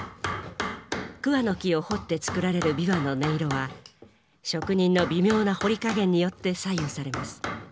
桑の木を彫って作られる琵琶の音色は職人の微妙な彫り加減によって左右されます。